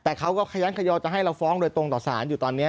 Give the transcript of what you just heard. แต่เขาก็ขยันขยอจะให้เราฟ้องโดยตรงต่อสารอยู่ตอนนี้